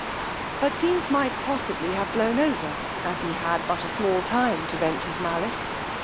But these might possibly have blown over, as he had but a small time to vent his malice.